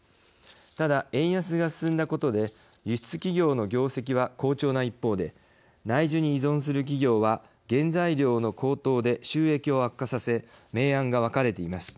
ただ、円安が進んだことで輸出企業の業績は好調な一方で内需に依存する企業は原材料の高騰で収益を悪化させ明暗が分かれています。